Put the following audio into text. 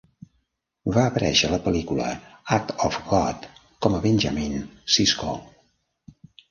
Va aparèixer a la pel·lícula "Act of God" com a Benjamin Cisco.